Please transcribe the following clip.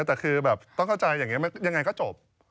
แต่คือแบบต้องเข้าใจอย่างนี้ยังไงก็จบ